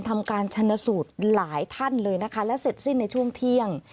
ทำการชนสูตรหลายท่านเลยนะคะและเสร็จสิ้นในช่วงเที่ยง